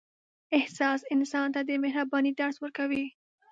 احساس انسان ته د مهربانۍ درس ورکوي.